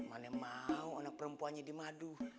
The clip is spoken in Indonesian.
mana mau anak perempuannya di madu